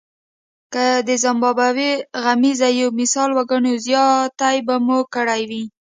که د زیمبابوې غمیزه یو مثال وګڼو زیاتی به مو کړی وي.